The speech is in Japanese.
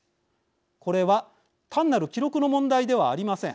これは単なる記録の問題ではありません。